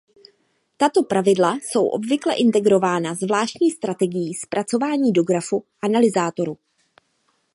Tato pravidla jsou obvykle integrována zvláštní strategií zpracování do grafu analyzátoru.